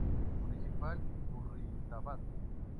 Municipal Curridabat.